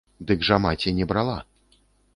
Дык жа маці не брала.